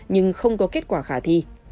nhưng không có kết quả khả thi